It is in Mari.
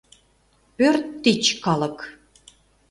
Пӧрт тич калык.